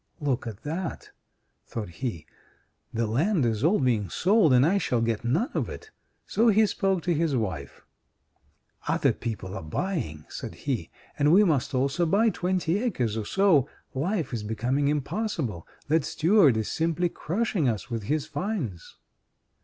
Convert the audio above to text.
"Look at that," thought he, "the land is all being sold, and I shall get none of it." So he spoke to his wife. "Other people are buying," said he, "and we must also buy twenty acres or so. Life is becoming impossible. That steward is simply crushing us with his fines."